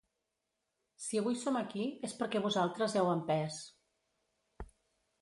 Si avui som aquí és perquè vosaltres heu empès.